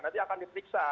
nanti akan diperiksa